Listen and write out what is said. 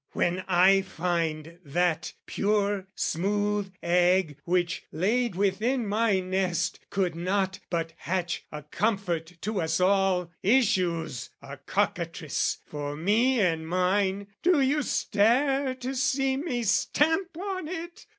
When I find That pure smooth egg which, laid within my nest, Could not but hatch a comfort to us all, Issues a cockatrice for me and mine, Do you stare to see me stamp on it?